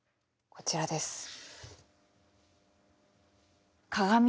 こちらです。